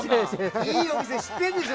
いいお店知ってるんでしょ？